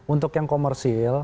untuk yang komersil